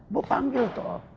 mau panggil toh